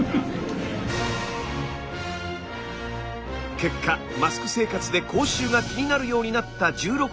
結果マスク生活で口臭が気になるようになった１６人のうち